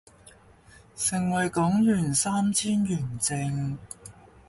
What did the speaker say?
盛惠港幣三千圓正